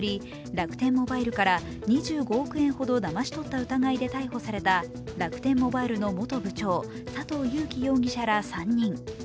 楽天モバイルから２５億円ほどだまし取った疑いで逮捕された楽天モバイルの元部長佐藤友紀容疑者ら３人。